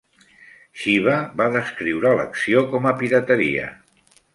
Xiva va descriure l'acció com a pirateria.